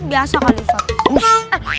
biasa kan ustadz